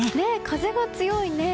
風が強いね。